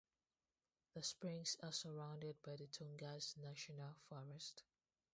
The springs are surrounded by the Tongass National Forest.